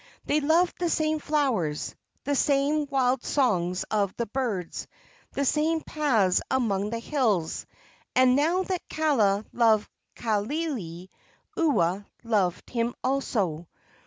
They loved the same flowers, the same wild songs of the birds, the same paths among the hills, and, now that Kaala loved Kaaialii, Ua loved him also.